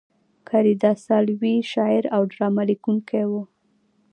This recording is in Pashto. کالیداسا لوی شاعر او ډرامه لیکونکی و.